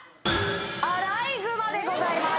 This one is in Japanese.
アライグマでございます